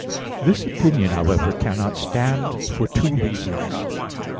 This opinion, however, cannot stand for two reasons.